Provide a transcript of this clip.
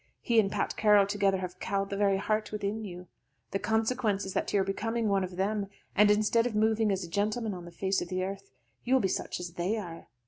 He and Pat Carroll together have cowed the very heart within you. The consequence is that you are becoming one of them, and instead of moving as a gentleman on the face of the earth, you will be such as they are.